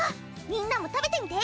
みんなも食べてみて。